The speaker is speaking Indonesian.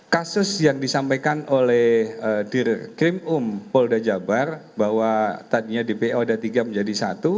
kasus yang disampaikan oleh dir krim um polda jabar bahwa tadinya dpo ada tiga menjadi satu